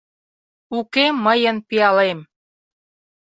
Уке мыйын пиалем.